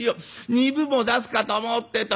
２分も出すかと思うってえと」。